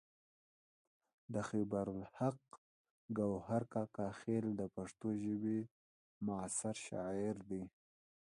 خیبر الحق ګوهر کاکا خیل د پښتو ژبې معاصر شاعر دی.